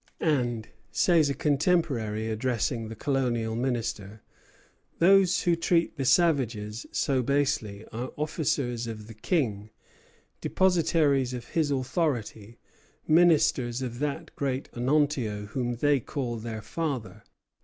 "And," says a contemporary, addressing the Colonial Minister, "those who treat the savages so basely are officers of the King, depositaries of his authority, ministers of that Great Onontio whom they call their father."